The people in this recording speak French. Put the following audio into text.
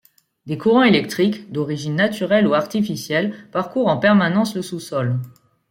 Des courants électriques, d'origine naturelle ou artificielle parcourent en permanence le sous-sol.